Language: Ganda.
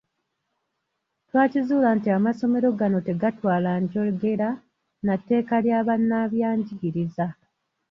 Twakizuula nti amasomero gano tegatwala njogera na tteeka lya bannabyanjiriza.